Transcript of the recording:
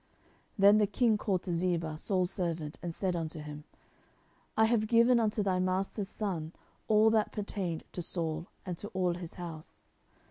10:009:009 Then the king called to Ziba, Saul's servant, and said unto him, I have given unto thy master's son all that pertained to Saul and to all his house.